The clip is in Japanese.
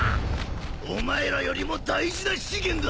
お前らよりも大事な資源だ！